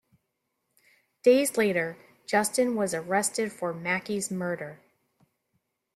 Days later, Justin was arrested for Macki's murder.